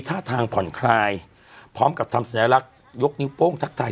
ท่าทางผ่อนคลายพร้อมกับทำสัญลักษณ์ยกนิ้วโป้งทักทาย